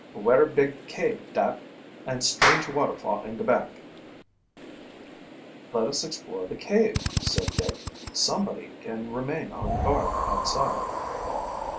Werry big cabe dat, an' strange waterfall in de back." "Let us explore the cave," said Dick. "Somebody can remain on guard outside."